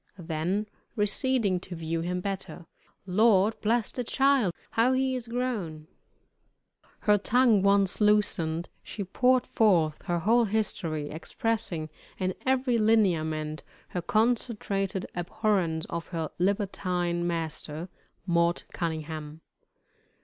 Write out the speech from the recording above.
Then receding to view him better, "Lord bless de child! how he is grown!" Her tongue once loosened, she poured forth her whole history, expressing in every lineament her concentrated abhorrence of her libertine master, "Mort Cunningham."